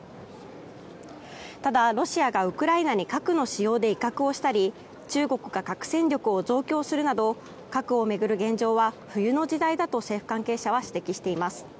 ただ、ロシアがウクライナに核の使用で威嚇をしたり中国が核戦力を増強するなど核を巡る現状は冬の時代だと政府関係者は指摘しています。